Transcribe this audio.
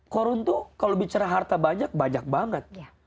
korun tuh kalau bicara harta banyak banyak banget